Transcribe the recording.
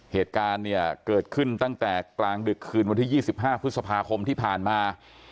เหตุการณ์เนี่ยเกิดขึ้นตั้งแต่กลางดึกคืนวันที่๒๕พฤษภาคมที่ผ่านมา